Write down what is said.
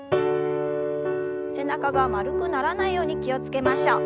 背中が丸くならないように気を付けましょう。